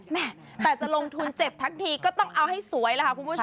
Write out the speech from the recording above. แม่แต่จะลงทุนเจ็บทั้งทีก็ต้องเอาให้สวยแล้วค่ะคุณผู้ชม